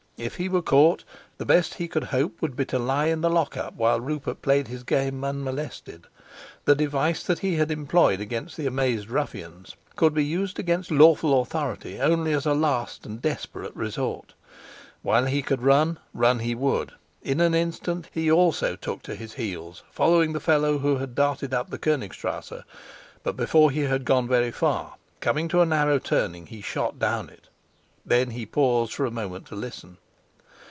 If he were caught, the best he could hope would be to lie in the lockup while Rupert played his game unmolested. The device that he had employed against the amazed ruffians could be used against lawful authority only as a last and desperate resort. While he could run, run he would. In an instant he also took to his heels, following the fellow who had darted up the Konigstrasse. But before he had gone very far, coming to a narrow turning, he shot down it; then he paused for a moment to listen.